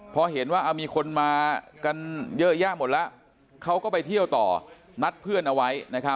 พอเห็นว่ามีคนมากันเยอะแยะหมดแล้วเขาก็ไปเที่ยวต่อนัดเพื่อนเอาไว้